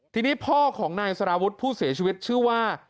ทีนี้พ่อของนายสารวุฒิผู้เสียชีวิตชื่อว่า